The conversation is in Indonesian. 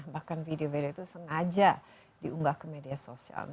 bahkan video video itu sengaja diunggah ke media sosial